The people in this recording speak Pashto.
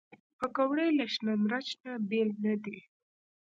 پکورې له شنه مرچ نه بېل نه دي